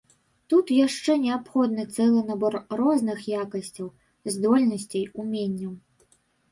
Тут яшчэ неабходны цэлы набор розных якасцяў, здольнасцей, уменняў.